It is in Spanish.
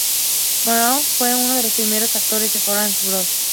Morgan fue unos de los primeros actores de Warner Bros.